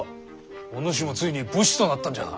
お主もついに武士となったんじゃな。